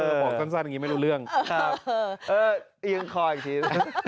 บอกสั้นอย่างนี้ไม่รู้เรื่องครับเออเอียงคออีกทีนะ